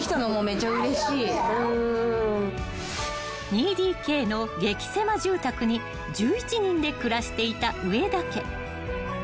［２ＤＫの激狭住宅に１１人で暮らしていた上田家］